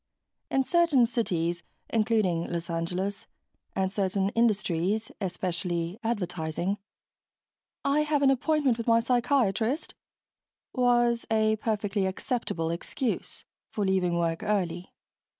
In certain cities including Los Angeles and certain industries especially advertising "I have an appointment with my psychiatrist" was a perfectly acceptable excuse for leaving work early.